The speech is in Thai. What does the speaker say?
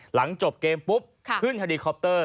หลังจบเกมปุ๊บขึ้นเฮลีคอปเตอร์